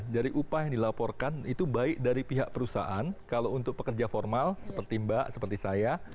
dari upah yang dilaporkan itu baik dari pihak perusahaan kalau untuk pekerja formal seperti mbak seperti saya